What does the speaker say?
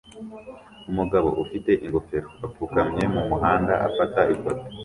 Umugabo ufite ingofero apfukamye mumuhanda afata ifoto